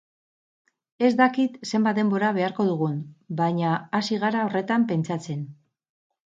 Ez dakit zenbat denbora beharko dugun, baina hasi gara horretan pentsatzen.